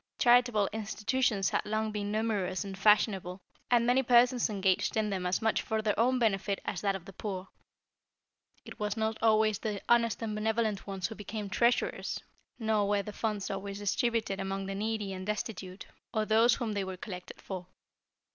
Charitable institutions had long been numerous and fashionable, and many persons engaged in them as much for their own benefit as that of the poor. It was not always the honest and benevolent ones who became treasurers, nor were the funds always distributed among the needy and destitute, or those whom they were collected for.